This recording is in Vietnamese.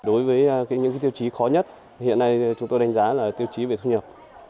đối với những tiêu chí khó nhất hiện nay chúng tôi đánh giá là tiêu chí về thu nhập